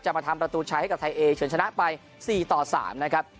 จะมาทำประตูใช้ให้กับไทยเอเฉินชนะไปสี่ต่อสามนะครับ